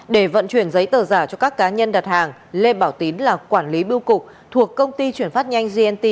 để vận chuyển giấy tờ giả cho các cá nhân đặt hàng lê bảo tín là quản lý bưu cục thuộc công ty chuyển phát nhanh gnt